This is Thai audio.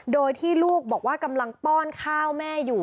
โดยที่ลูกบอกว่ากำลังป้อนข้าวแม่อยู่